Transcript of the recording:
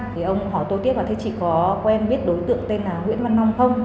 thì ông hỏi tôi tiếp là thế chị có quen biết đối tượng tên là nguyễn văn nam không